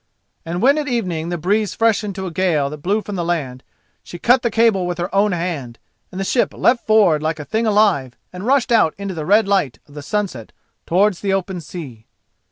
And when at evening the breeze freshened to a gale that blew from the land, she cut the cable with her own hand, and the ship leapt forward like a thing alive, and rushed out in the red light of the sunset towards the open sea.